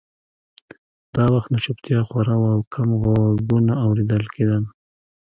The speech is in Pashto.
دا وخت نو چوپتیا خوره وه او کم غږونه اورېدل کېدل